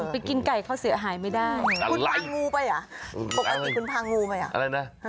ไปกินไก่เขาเสียหายไม่ได้คุณพางูไปอ่ะอะไรนะ